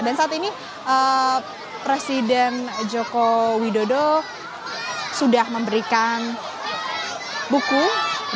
dan saat ini presiden joko widodo sudah memberikan buku dan juga makanan kepada anak anak tentunya